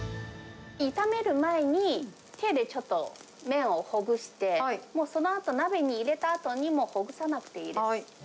炒める前に、手でちょっと麺をほぐして、もうそのあと、鍋に入れたあと、ほぐさなくていいです。